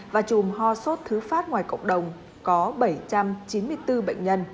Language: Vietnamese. và chùm ho sốt thứ phát ngoài cộng đồng có bảy trăm chín mươi bốn bệnh nhân